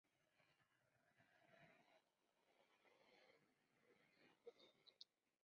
En ese caso el "campeón lineal" no era considerado como el verdaderamente mejor.